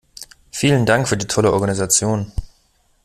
Vielen Dank für die tolle Organisation.